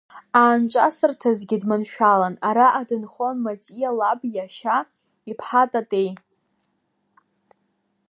Аанҿасырҭазгьы дманшәалан, араҟа дынхон Матиа лаб иашьа иԥҳа Татеи.